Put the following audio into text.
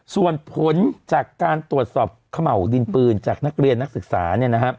ส่วนผลจากการตรวจสอบขมัวดินปืนจากนักเรียนนักศึกษาเนี่ยนะฮะ